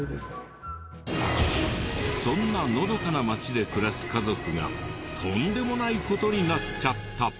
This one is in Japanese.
そんなのどかな町で暮らす家族がとんでもない事になっちゃった。